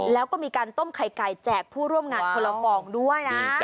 แล้วก็มีการต้มไข่ไก่แจกผู้ร่วมงานคนละฟองด้วยนะ